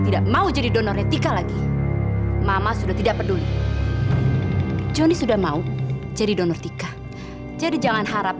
tidak mau jadi donor pigma lagi mama sudah tidak peduli joni udah mau jadi satu ratus dua puluh tiga jangan harap